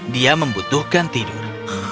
dia membutuhkan tidur